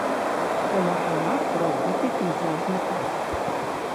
Каля палацу разбіты пейзажны парк.